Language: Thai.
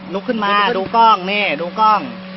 ลุกขึ้นมาดูกล้องแม่ดูกล้อง